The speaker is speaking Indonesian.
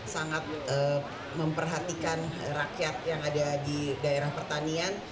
sangat memperhatikan rakyat yang ada di daerah pertanian